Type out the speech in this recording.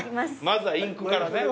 まずはインクからね。